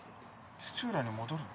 土浦に戻るの？